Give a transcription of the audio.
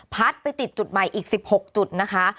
ไปติดจุดใหม่อีก๑๖จุดนะคะ